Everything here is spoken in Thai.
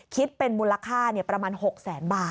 คิดเป็นมูลค่าประมาณ๖แสนบาท